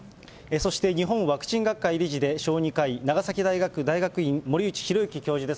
そして、日本ワクチン学会理事で小児科医、長崎大学大学院、森内浩幸教授です。